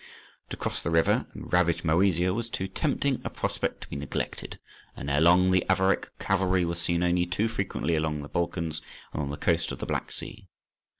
To cross the river and ravage Moesia was too tempting a prospect to be neglected, and ere long the Avaric cavalry were seen only too frequently along the Balkans and on the coast of the Black Sea.